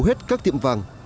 đều hết các tiệm vàng